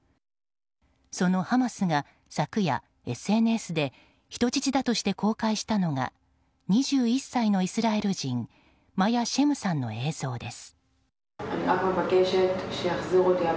そのハマスが昨夜、ＳＮＳで人質だとして公開したのが２１歳のイスラエル人マヤ・シェムさんの映像です。